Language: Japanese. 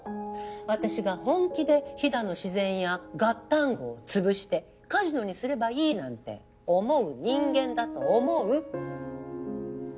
私が本気で飛騨の自然やガッタンゴーをつぶしてカジノにすればいいなんて思う人間だと思う？